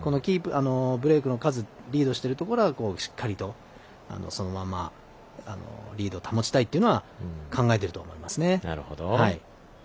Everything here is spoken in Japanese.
ブレークの数リードしてるところはしっかりとそのままリードを保ちたいというのは考えてると思いますね。